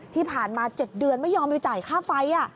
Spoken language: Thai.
ที่ผ่านมา๗เดือนไม่ยอมไปจ่ายค่าไฟ